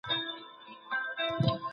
انسان له خپل ژوند څخه بې برخې کېدای سي؟